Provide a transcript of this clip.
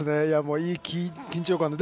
いい緊張感で。